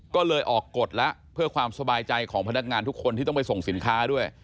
ก็เลยออกกฎแล้วเพื่อความสบายใจของพนักงานทุกคนที่ต้องไปส่งสินค้าด้วย